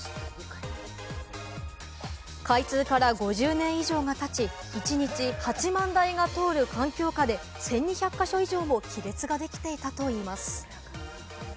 開通から５０年以上が経ち、一日８万台が通る環境下で１２００か所以上も亀裂ができていたといいます。